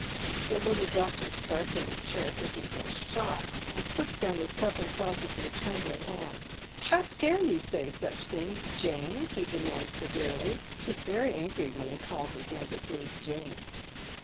The Uttle doctor starts in his chair as if he had been shot, and puts down his cup and saucer with a trembling hand. " How dare you say such tl)ings, Jane ?" he demands, severely He is very angry when he calls his youngest niece Jane.